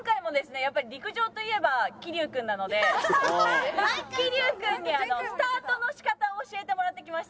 やっぱり陸上といえば桐生君なので桐生君にスタートの仕方を教えてもらってきました。